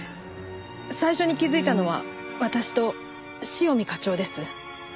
最初に気づいたのは私と塩見課長です。